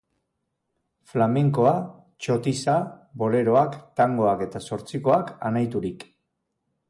Flamenkoa, txotisa, boleroak, tangoak eta zortzikoak anaiturik.